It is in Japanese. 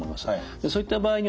そういった場合にはですね